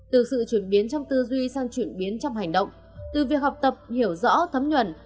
từ sự chuyển biến trong tư duy sang chuyển biến trong hành động từ việc học tập hiểu rõ thấm nhuần